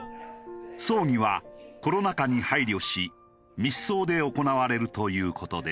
葬儀はコロナ禍に配慮し密葬で行われるという事です。